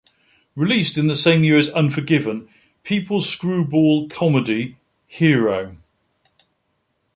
Released in the same year as "Unforgiven", Peoples' screwball comedy "Hero".